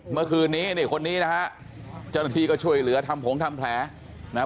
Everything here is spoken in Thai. เมื่อคืนนี้นี่คนนี้นะฮะเจ้าหน้าที่ก็ช่วยเหลือทำผงทำแผลนะฮะ